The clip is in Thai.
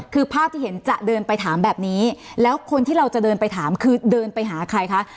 คือภาพที่เห็นจะเดินไปถามแบบนี้แล้วคนที่เราจะเดินไปถามคือเดินไปหาใครคะ